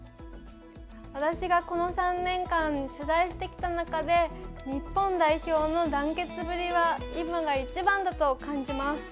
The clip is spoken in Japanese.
私がこの３年間取材してきた中で日本代表の団結ぶりは今が一番だと感じます。